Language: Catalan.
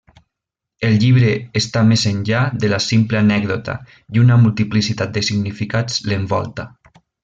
El llibre està més enllà de la simple anècdota, i una multiplicitat de significats l'envolta.